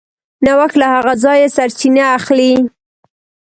نوښت له هغه ځایه سرچینه اخلي.